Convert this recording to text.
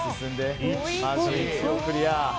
まず１をクリア。